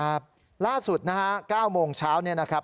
ครับล่าสุดนะฮะ๙โมงเช้าเนี่ยนะครับ